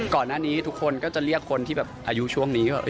ก่อนหน้านี้ทุกคนก็จะเรียกคนที่แบบอายุช่วงนี้ก็